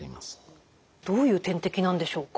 どういう点滴なんでしょうか？